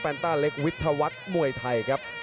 แปลนต้าเล็กวิธวัฒน์มวยไทยครับ